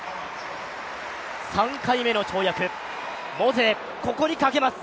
３回目の跳躍、モゼーここにかけます。